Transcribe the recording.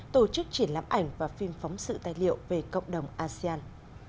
tổ chức triển lãm ảnh và phim phóng sự tài liệu về cộng đồng asean